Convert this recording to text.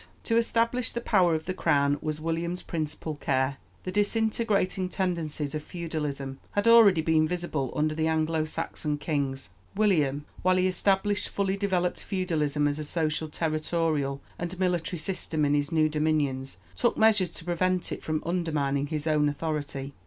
To establish the power of the crown was William's principal care. The disintegrating tendencies of feudalism had already been visible under the Anglo Saxon kings. William, while he established fully developed feudalism as a social, territorial, and military system in his new dominions, took measures to prevent it from undermining his own authority.